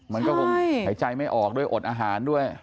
มันก็คงหายใจไม่ออกด้วยอดอาหารด้วย